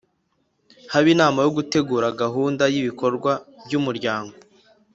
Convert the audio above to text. Habaye inama yo gutegura gahunda y’ibikorwa by’umuryango